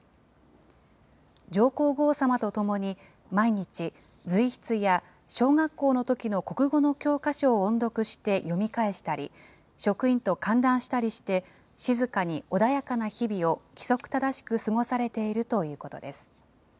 上皇后さまと共に毎日、随筆や小学校のときの国語の教科書を音読して読み返したり、職員と歓談したりして、静かに穏やかな日々を規則正しく過ごされているということです。